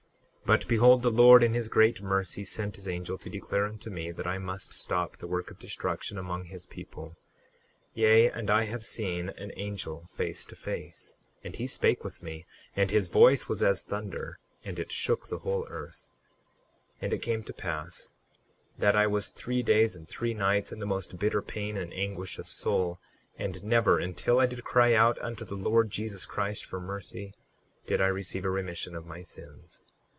38:7 But behold, the Lord in his great mercy sent his angel to declare unto me that I must stop the work of destruction among his people; yea, and I have seen an angel face to face, and he spake with me, and his voice was as thunder, and it shook the whole earth. 38:8 And it came to pass that I was three days and three nights in the most bitter pain and anguish of soul; and never, until I did cry out unto the Lord Jesus Christ for mercy, did I receive a remission of my sins.